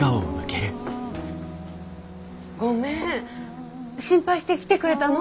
ごめん心配して来てくれたの？